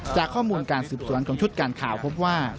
จากข้อมูลการสืบสวนของชุดการข่าวพบว่า